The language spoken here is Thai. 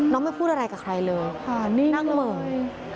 น้องไม่พูดอะไรกับใครเลยนั่งเหมือน